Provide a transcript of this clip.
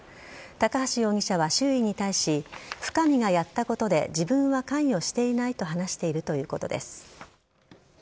高橋容疑者は周囲に対し深見がやったことで自分は関与していないと話しているということです。